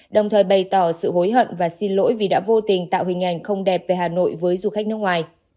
đồng thời bày tỏ sự hối hận và xin lỗi vì đã vô tình tạo hình ảnh không đẹp về hà nội với du khách nước ngoài